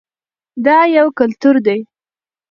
دا یو کلتور دی.